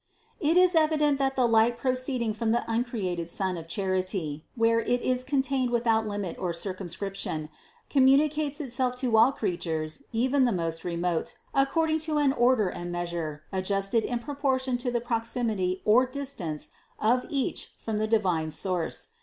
It is evident that the light proceeding from the uncreated Sun of charity, where it is contained without limit or circumscription, communicates itself to all creatures even the most remote according to an order and measurement adjusted in proportion to the proximity or distance of each from the divine source.